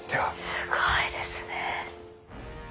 すごいですね。